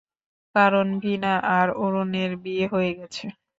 কারণ ভীনা আর অরুণের বিয়ে হয়ে গেছে।